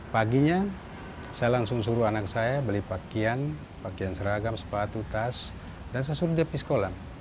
paginya saya langsung suruh anak saya beli pakaian pakaian seragam sepatu tas dan saya suruh dia pergi sekolah